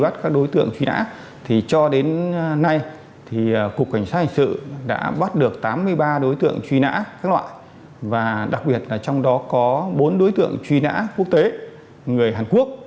trong đó có tám mươi ba đối tượng truy nã các loại và đặc biệt là trong đó có bốn đối tượng truy nã quốc tế người hàn quốc